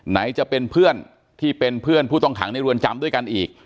ไหนจะเป็นเพื่อนที่เป็นเพื่อนผู้ต้องขังในเรือนจำด้วยกันอีก